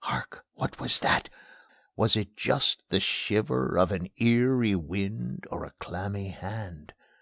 Hark! What was that? Was it just the shiver Of an eerie wind or a clammy hand?